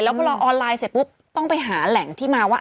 แล้วก็รอออนไลน์เสร็จปุ๊บต้องไปหาแหล่งที่มาว่า